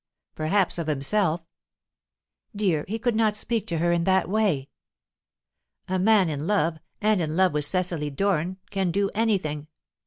"Perhaps of himself." "Dear, he could not speak to her in that way!" "A man in love and in love with Cecily Doran can do anything.